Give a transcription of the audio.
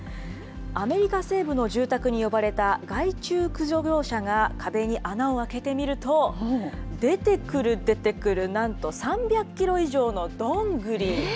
アメリカ西部の住宅に呼ばれた害虫駆除業者が壁に穴を開けてみると、出てくる出てくる、なんと３００キロ以上のドングリ。